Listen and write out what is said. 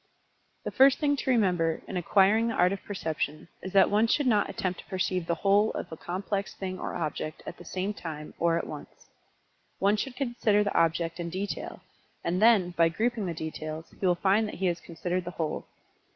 The first thing to remember in acquiring the art of Perception is that one should not attempt to perceive the whole of a complex thing or object at the same time, or at once. One should consider the object in detail, and then, by grouping the details, he will find that he has considered the whole.